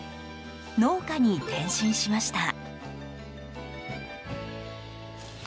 農家に転身しました。